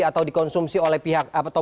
atau dikonsumsi oleh pihak